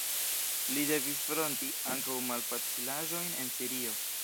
Li devis fronti ankaŭ malfacilaĵojn en Sirio.